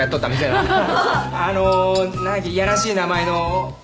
いやらしい名前の。